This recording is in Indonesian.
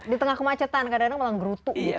di tengah kemacetan kadang kadang malah menggerutu gitu